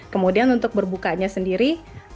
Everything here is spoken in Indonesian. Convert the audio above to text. kemudian untuk berbukanya sendiri